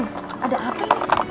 tuh ada api